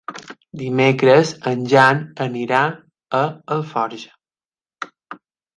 Dimecres en Jan anirà a Alforja.